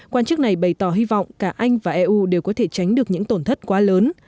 quan chức này bày tỏ hy vọng cả anh và eu đều có thể tránh được những tổn thất quá lớn